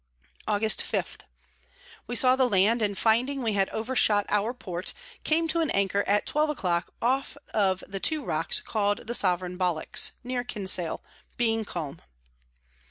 Aug. 5. We saw the Land, and finding we had overshot our Port, came to an anchor at twelve a clock off of the two Rocks call'd the Sovereigns Bollacks near Kinsale, being calm.